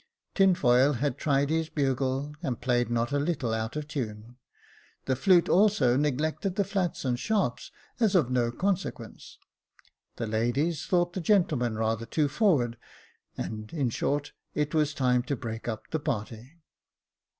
Tinfoil had tried his bugle, and played not a little out of tune ; the flute also neglected the flats and sharps as of no consequence ; the ladies thought the gentlemen rather too forward, and, in short, it was time to break up the party.